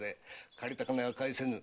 「借りた金は返せぬ。